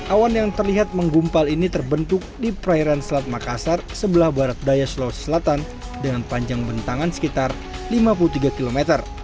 awan yang terlihat menggumpal ini terbentuk di perairan selat makassar sebelah barat daya sulawesi selatan dengan panjang bentangan sekitar lima puluh tiga km